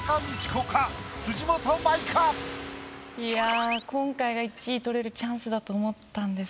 いや今回が１位取れるチャンスだと思ったんですけどね。